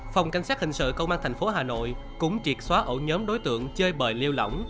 phòng cảnh sát hình sự công an thành phố hà nội cũng triệt xóa ổ nhóm đối tượng chơi bời lêu lỏng